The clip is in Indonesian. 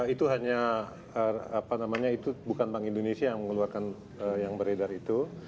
itu hanya apa namanya itu bukan bank indonesia yang mengeluarkan yang beredar itu